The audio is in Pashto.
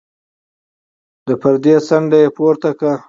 د پردې څنډه يې پورته کړه.